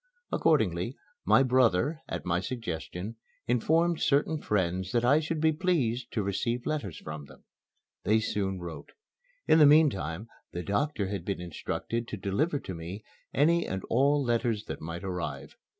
Accordingly, my brother, at my suggestion, informed certain friends that I should be pleased to receive letters from them. They soon wrote. In the meantime the doctor had been instructed to deliver to me any and all letters that might arrive.